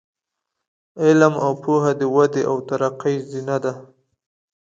علم او پوهه د ودې او ترقۍ زینه ده.